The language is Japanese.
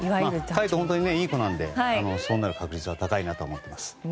海人は本当にいい子なのでそうなる確率は高いなと思っています。